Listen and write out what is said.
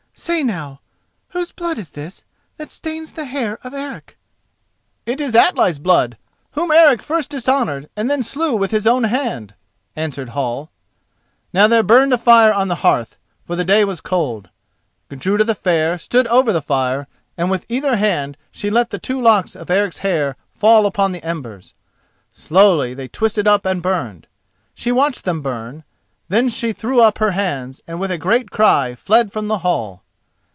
Say now, whose blood is this that stains the hair of Eric?" "It is Atli's blood, whom Eric first dishonoured and then slew with his own hand," answered Hall. Now there burned a fire on the hearth, for the day was cold. Gudruda the Fair stood over the fire and with either hand she let the two locks of Eric's hair fall upon the embers. Slowly they twisted up and burned. She watched them burn, then she threw up her hands and with a great cry fled from the hall.